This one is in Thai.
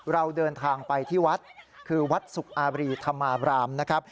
เราเดินทางไปที่วัดคือวัดสุกอาบรีธรรมาบรามนะครับ